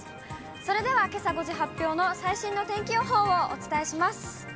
それでは、けさ５時発表の、最新の天気予報をお伝えします。